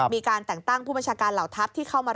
มีการแต่งตั้งผู้บัญชาการเหล่าทัพที่เข้ามา